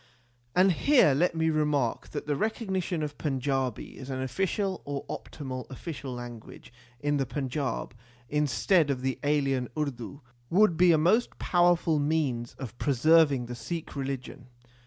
And here let me remark that the recognition of Panjabi as an official or optional official language in the Panjab, instead of the alien Urdu, would be a most powerful means of preserving the Sikh religion.